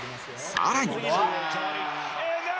更に